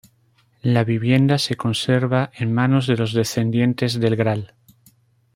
La vivienda se conserva en manos de los descendientes del Gral.